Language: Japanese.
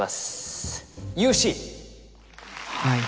はい。